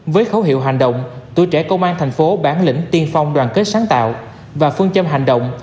với khẩu hiệu hành động tụi trẻ công an tp bản lĩnh tiên phong đoàn kết sáng tạo và phương châm hành động